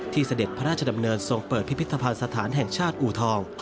เสด็จพระราชดำเนินทรงเปิดพิพิธภัณฑ์สถานแห่งชาติอูทอง